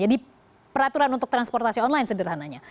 jadi peraturan untuk transportasi online sederhananya